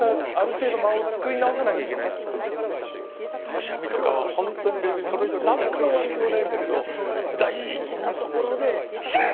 くしゃみとかは本当に別にその人何の悪気もないんだけど大事なところで「クシュン！」。